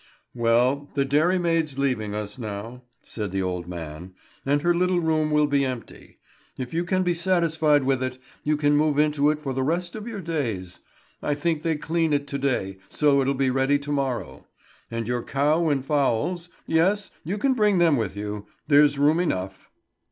"Well, the dairymaid's leaving us now," said the old man, "and her little room will be empty. If you can be satisfied with it, you can move into it for the rest of your days. I think they clean it to day, so it'll be ready to morrow. And your cow and fowls yes you can bring them with you. There's room enough."